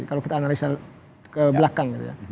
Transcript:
kalau kita analisa ke belakang gitu ya